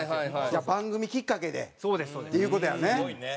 じゃあ番組きっかけでっていう事やね。